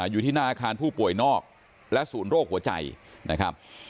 อยู่ที่หน้าอาคารผู้ป่วยนอกและศูนย์โรคหัวใจนะครับ